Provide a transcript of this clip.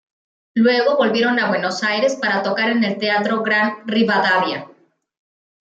Luego volvieron a Buenos Aires para tocar en el Teatro Gran Rivadavia.